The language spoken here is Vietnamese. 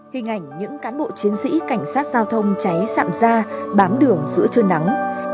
hình ảnh những cán bộ chiến sĩ cảnh sát giao thông cháy xạ ra bám đường giữa trưa nắng